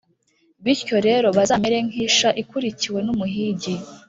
Bityo rero, bazamere nk’isha ikurikiwe n’umuhigi,